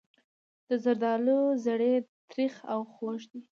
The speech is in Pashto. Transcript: د زردالو زړې تریخ او خوږ وي.